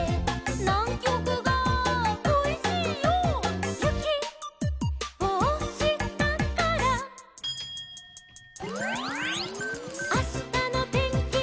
「『ナンキョクがこいしいよ』」「ゆきをおしたから」「あしたのてんきは」